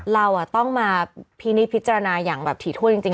เราต้องมาพินิษพิจารณาอย่างแบบถี่ถ้วนจริง